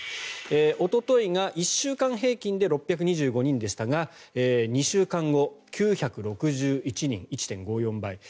おとといが１週間平均で６２５人でしたが２週間後、９６１人１．５４倍。